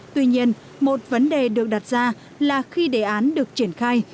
tuy nhiên một vấn đề được đặt ra là khi đề án được triển khai